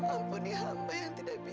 ampuni hamba yang tidak bisa